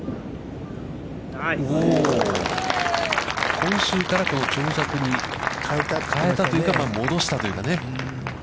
今週から長尺に変えたというか、戻したというかね。